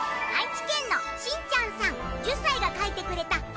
愛知県のしんちゃんさん１０歳が描いてくれた